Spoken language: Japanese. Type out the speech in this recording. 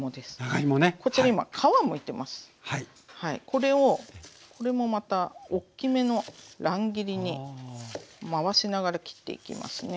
これをこれもまたおっきめの乱切りに回しながら切っていきますね。